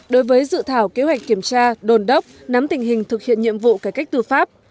đối với dự thảo kế hoạch kiểm tra đồn đốc nắm tình hình thực hiện nhiệm vụ cải cách tư pháp